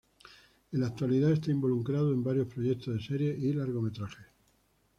En la actualidad está involucrado en varios proyectos de series y largometrajes.